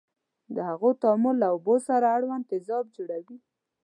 د هغو تعامل له اوبو سره اړوند تیزاب جوړوي.